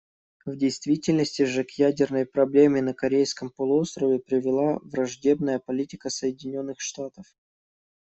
В действительности же к ядерной проблеме на Корейском полуострове привела враждебная политика Соединенных Штатов.